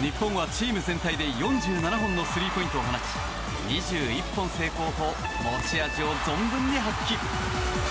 日本はチーム全体で４７本のスリーポイントを放ち２１本成功と持ち味を存分に発揮。